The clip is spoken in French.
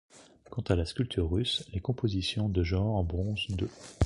Quant à la sculpture russe, les compositions de genre en bronze d'E.